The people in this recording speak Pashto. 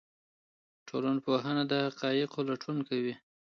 ټولنپوهنه د حقایقو لټون کوي.